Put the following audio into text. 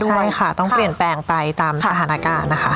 ใช่ค่ะต้องเปลี่ยนแปลงไปตามสถานการณ์นะคะ